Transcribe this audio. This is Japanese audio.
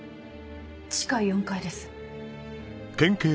地下４階です。